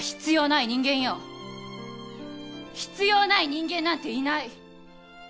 必要ない人間なんていない